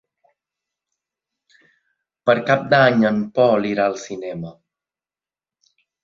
Per Cap d'Any en Pol irà al cinema.